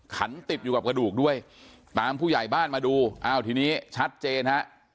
ขันติดอยู่กับกระดูกด้วยตามผู้ใหญ่บ้านมาดูอ้าวทีนี้ชัดเจนฮะ